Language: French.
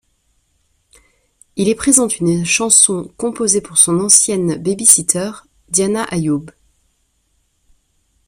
Il y présente une chanson composée pour son ancienne baby-sitter, Diana Ayoub.